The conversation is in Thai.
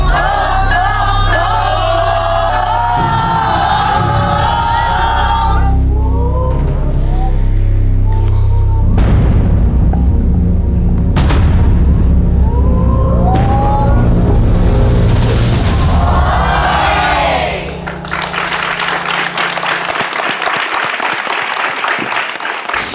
โฮโฮโฮโฮ